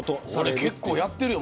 結構やってるよ。